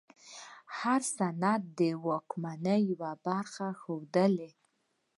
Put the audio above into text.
هر سند د واکمنۍ یوه برخه ښودله.